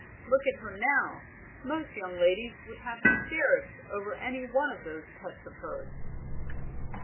Look at her now; most young ladies would have hysterics over any one of those pets of hers."